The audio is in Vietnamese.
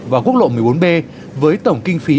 và quốc lộ một mươi bốn b với tổng kinh phí